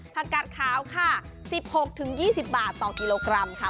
ผักกัดขาวค่ะ๑๖๒๐บาทต่อกิโลกรัมค่ะ